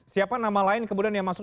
siapa nama lain kemudian yang masuk